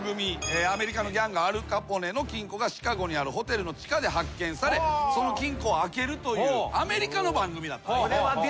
アメリカのギャングアル・カポネの金庫がシカゴにあるホテルの地下で発見されその金庫を開けるというアメリカの番組だったんです。